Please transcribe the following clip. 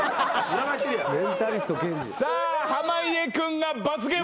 さあ濱家君が罰ゲームです。